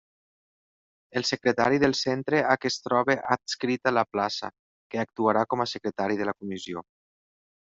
El secretari del centre a què es trobe adscrita la plaça, que actuarà com a secretari de la comissió.